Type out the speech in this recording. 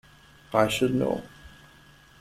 I should know.